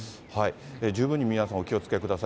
十分に皆さん、お気をつけください。